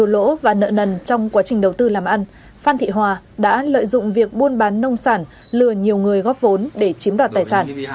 lần trong quá trình đầu tư làm ăn phan thị hòa đã lợi dụng việc buôn bán nông sản lừa nhiều người góp vốn để chiếm đoạt tài sản